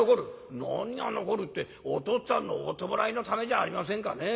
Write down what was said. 「何が残るってお父っつぁんのお葬式のためじゃありませんかね。